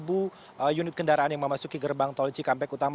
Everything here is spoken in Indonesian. ada tiga puluh sembilan unit kendaraan yang memasuki gerbang tol cikampek utama